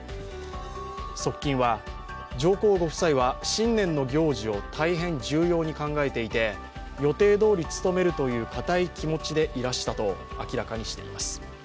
側近は上皇ご夫妻は新年の行事を大変重要に考えていて予定どおり務めるというかたい気持ちでいらしたと明らかにしています。